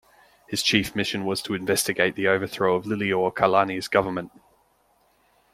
His chief mission was to investigate the overthrow of Liliuokalani's government.